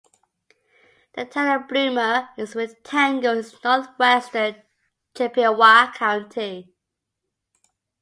The town of Bloomer is a rectangle in northwestern Chippewa County.